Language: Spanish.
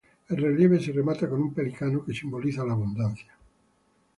El relieve se remata con un pelícano, que simboliza la abundancia.